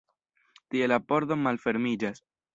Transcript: Tie la pordo malfermiĝas.